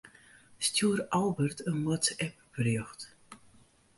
Stjoer Albert in WhatsApp-berjocht.